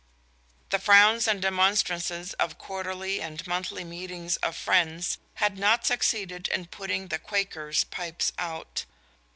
The frowns and remonstrances of Quarterly and Monthly Meetings of Friends had not succeeded in putting the Quakers' pipes out.